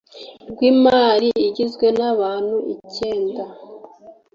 rw imari igizwe n abantu icyenda